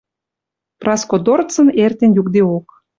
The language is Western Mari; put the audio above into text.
Праско дорцын эртен юкдеок.